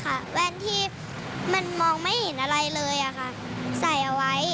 เพราะฉะนั้นที่มันมองไม่เห็นอะไรเลยอะค่ะใส่เอาไว้